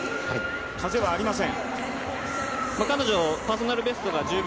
風はありません。